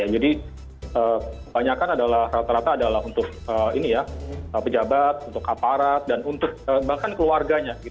jadi rata rata adalah untuk pejabat untuk kaparat dan bahkan keluarganya